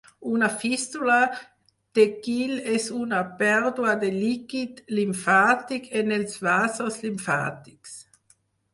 Una fístula de quil és una pèrdua de líquid limfàtic en els vasos limfàtics.